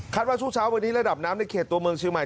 คัดว่าชั่วโชว์เมื่อนี้ระดับน้ำในเขตตัวเมืองเชียงใหม่